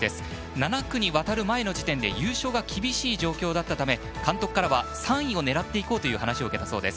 ７区に渡る前の時点で優勝が厳しい状況だったため監督からは３位を狙っていこうという話を受けたそうです。